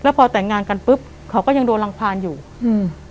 พอแต่งงานกันปุ๊บเขาก็ยังโดนรังพานอยู่อืม